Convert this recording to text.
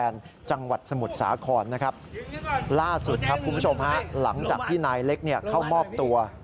ล่าสุดครับคุณผู้ชมฮะหลังจากที่นายเล็กเข้ามอบตัว